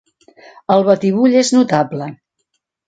El batibull és notable.